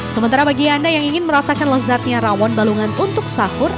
sementara bagi anda yang ingin merasakan lezatnya rawon balungan untuk sahur